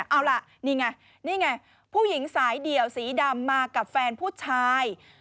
เอาล่ะนี่ไงนี่ไงผู้หญิงสายเดี่ยวสีดำมากับแฟนผู้ชาย